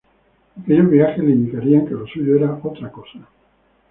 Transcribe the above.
Aquellos viajes le indicarían que lo suyo era otra cosa.